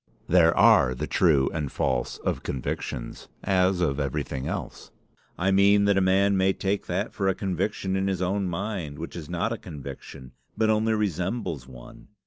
"There are the true and false of convictions, as of everything else. I mean that a man may take that for a conviction in his own mind which is not a conviction, but only resembles one.